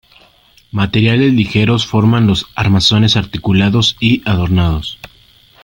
Materiales ligeros forman los armazones articulados y adornados.